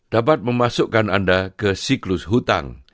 dapat memasukkan anda ke siklus hutang